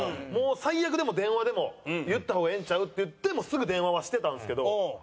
「もう最悪でも電話でも言った方がええんちゃう？」って言ってもうすぐ電話はしてたんですけど。